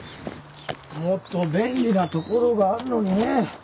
もっと便利な所があるのにね。